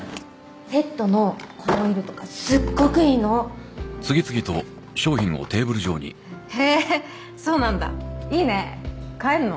セットのこのオイルとかすっごくいいのへえーそうなんだいいね買えんの？